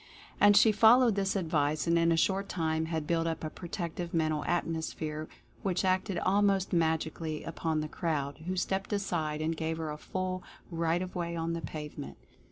And she fol lowed this advice, and in a short time had built up a Protective Mental Atmosphere which acted almost magically upon the crowd, who stepped aside and gave her a full right of way on the pavement.